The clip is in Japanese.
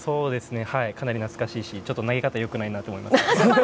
かなり懐かしいしちょっと投げ方が良くないなと思います。